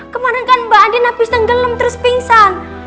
kemaren kan mbak andi habis tenggelam terus pingsan